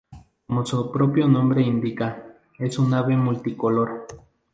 Como su propio nombre indica es un ave multicolor.